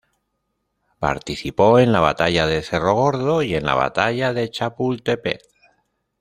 Participó en la batalla de cerro gordo y en la batalla de Chapultepec.